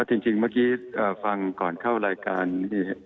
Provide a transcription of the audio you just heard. จริงเมื่อกี้ฟังก่อนเข้ารายการ